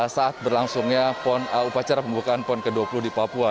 saat berlangsungnya upacara pembukaan pon ke dua puluh di papua